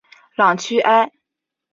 朗屈艾。